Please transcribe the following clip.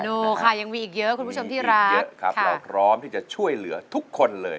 ดูค่ะยังมีอีกเยอะคุณผู้ชมที่รักเยอะครับเราพร้อมที่จะช่วยเหลือทุกคนเลย